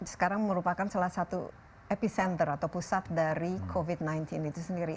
sekarang merupakan salah satu epicenter atau pusat dari covid sembilan belas itu sendiri